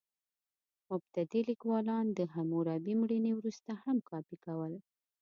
مبتدي لیکوالان د حموربي مړینې وروسته هم کاپي کول.